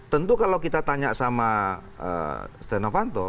tentu kalau kita tanya sama stiano vanto